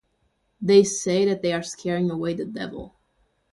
They say that they are scaring away the devil.